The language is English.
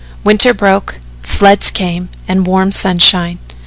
Winter broke, floods came and warm sunshine.